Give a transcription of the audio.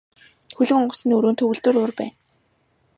Хөлөг онгоцны өрөөнд төгөлдөр хуур байна.